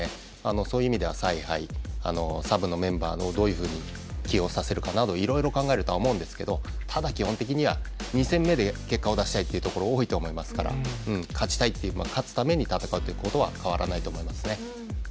そういう意味では、采配サブのメンバーをどういうふうに起用させるかなどいろいろ考えると思いますがただ、基本的には２戦目で結果を出したいところが多いと思いますから、勝ちたい勝つために戦うということは変わらないと思います。